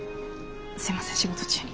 すいません仕事中に。